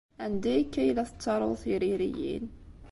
Anda akka ay la tettaruḍ tiririyin?